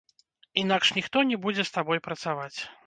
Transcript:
Інакш ніхто не будзе з табой працаваць.